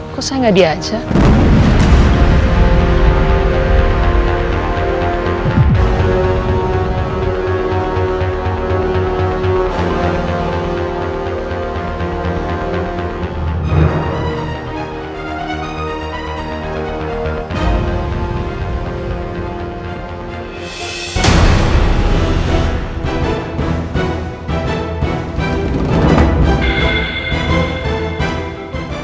kok saya gak diajak